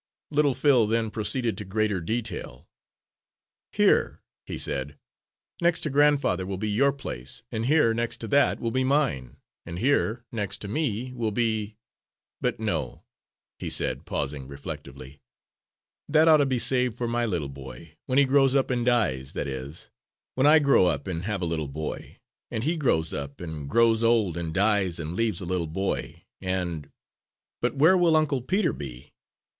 Little Phil then proceeded to greater detail. "Here," he said, "next to grandfather, will be your place, and here next to that, will be mine, and here, next to me will be but no," he said, pausing reflectively, "that ought to be saved for my little boy when he grows up and dies, that is, when I grow up and have a little boy and he grows up and grows old and dies and leaves a little boy and but where will Uncle Peter be?"